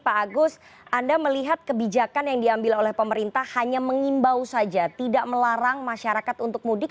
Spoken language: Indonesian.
pak agus anda melihat kebijakan yang diambil oleh pemerintah hanya mengimbau saja tidak melarang masyarakat untuk mudik